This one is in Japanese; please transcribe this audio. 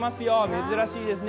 珍しいですね。